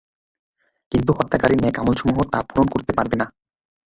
কিন্তু হত্যাকারীর নেক আমলসমূহ তা পূরণ করতে পারবে না।